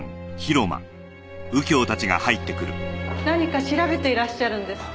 何か調べていらっしゃるんですか？